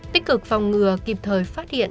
tích cực phòng ngừa kịp thời phát hiện